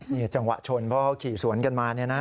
นี่จังหวะชนเพราะเขาขี่สวนกันมาเนี่ยนะ